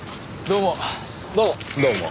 どうも。